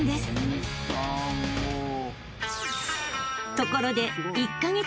［ところで］